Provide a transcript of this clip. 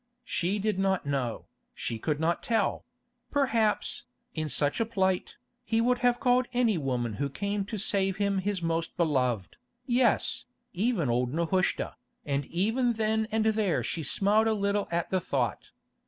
She did not know, she could not tell: perhaps, in such a plight, he would have called any woman who came to save him his Most Beloved, yes, even old Nehushta, and even then and there she smiled a little at the thought.